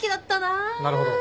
なるほど。